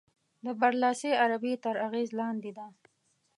د برلاسې عربي تر اغېز لاندې ده.